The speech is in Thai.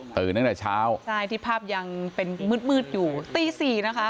ตื่นตั้งแต่เช้าใช่ที่ภาพยังเป็นมืดอยู่ตี๔นะคะ